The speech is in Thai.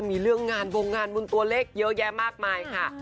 มีเรื่องงานวงงานบุญตัวเลขเยอะแยะมากมายค่ะ